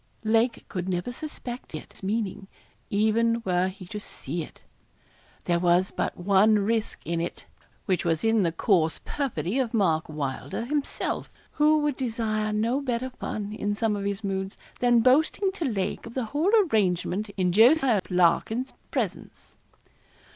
Lake could never suspect its meaning, even were he to see it. There was but one risk in it, which was in the coarse perfidy of Mark Welder himself, who would desire no better fun, in some of his moods, than boasting to Lake of the whole arrangement in Jos. Larkin's presence.